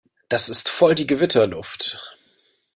Das ist voll die Gewitterluft.